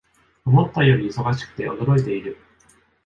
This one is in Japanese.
思ったより忙しくて驚いている